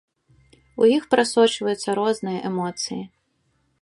У іх прасочваюцца розныя эмоцыі.